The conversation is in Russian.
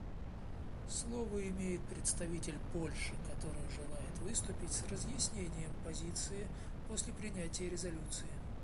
Слово имеет представитель Польши, который желает выступить с разъяснением позиции после принятия резолюции.